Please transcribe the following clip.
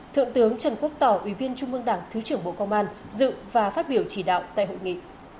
thượng tướng trần quốc tỏ ủy viên trung mương đảng thứ trưởng bộ công an dự và phát biểu chỉ đạo tại hội nghị